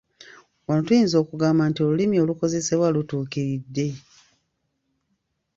Wano tuyinza okugamba nti olulimi olukozesebwa lutuukiridde.